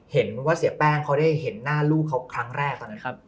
เห็นว่าเสียแป้งเขาได้เห็นหน้าลูกเขาครั้งแรกตอนนั้นครับ